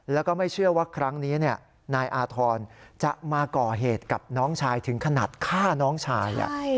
แล้วก็ไม่เชื่อว่าครั้งนี้นายอาธรณ์จะมาก่อเหตุกับน้องชายถึงขนาดฆ่าน้องชาย